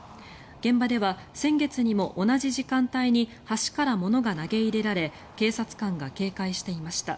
現場では先月にも同じ時間帯に橋から物が投げ入れられ警察官が警戒していました。